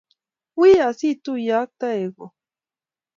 Win asiituye ak taek kuk.